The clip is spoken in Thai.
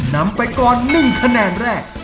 นำไปก่อน๑คะแนนแรก